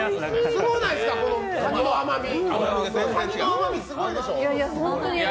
すごないですか、このカニの甘み。